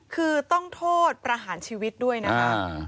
คือต้องโทษประหารชีวิตด้วยนะคะ